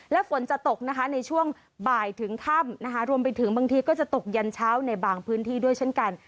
และฝนจะตกนะคะในช่วงบ่ายถึงค่ำนะคะรวมไปถึงบางทีก็จะตกยันเช้าในบางพื้นที่ด้วยเช่นกัน